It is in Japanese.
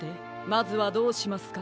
まずはどうしますか？